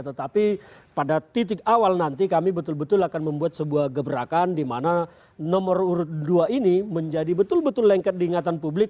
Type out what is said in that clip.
tetapi pada titik awal nanti kami betul betul akan membuat sebuah gebrakan di mana nomor urut dua ini menjadi betul betul lengket diingatan publik